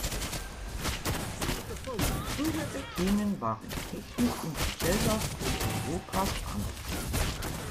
Frühere Themen waren „Technik und Gesellschaft“, „Europas Andere?